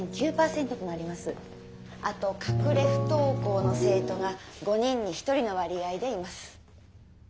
あと隠れ不登校の生徒が５人に１人の割合でいます。